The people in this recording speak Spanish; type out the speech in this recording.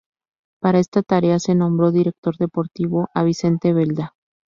Para esta tarea se nombró director deportivo a Vicente Belda.